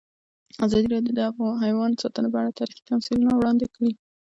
ازادي راډیو د حیوان ساتنه په اړه تاریخي تمثیلونه وړاندې کړي.